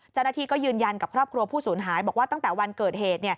เจ้าหน้าที่ก็ยืนยันกับครอบครัวผู้สูญหายบอกว่าตั้งแต่วันเกิดเหตุ